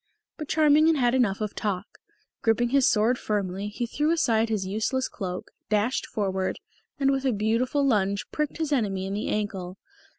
But Charming had had enough of talk. Griping his sword firmly, he threw aside his useless cloak, dashed forward, and with a beautiful lunge pricked his enemy in the ankle.